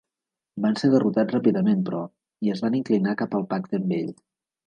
Van ser derrotats ràpidament però, i es van inclinar cap al pacte amb ell.